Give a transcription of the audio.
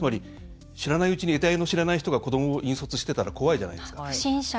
知らないうちにえたいの知れない人が見守りしてたら怖いじゃないですか。